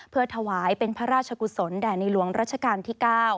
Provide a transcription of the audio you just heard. เพื่อถวายเป็นพระราชกุศลแด่ในหลวงรัชกาลที่๙